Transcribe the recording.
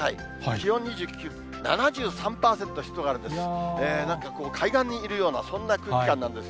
気温２９度、７３％、湿度があるんです。